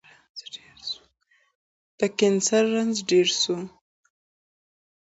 د کېنسر رنځ ډير سو